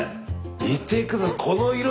見てください。